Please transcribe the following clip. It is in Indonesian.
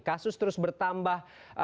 kasus terus bertambah